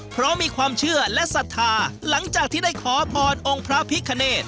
เพราะมีความเชื่อและศรัทธาหลังจากที่ได้ขอพรองค์พระพิคเนต